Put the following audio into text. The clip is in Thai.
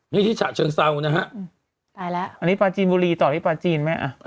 นี่ที่ฉะเชิงเซานะฮะตายแล้วอันนี้ปลาจีนบุรีต่อที่ปลาจีนไหมอ่ะ